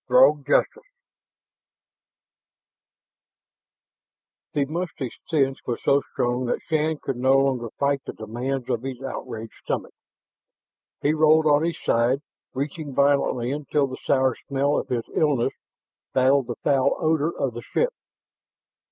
THROG JUSTICE The musty stench was so strong that Shann could no longer fight the demands of his outraged stomach. He rolled on his side, retching violently until the sour smell of his illness battled the foul odor of the ship.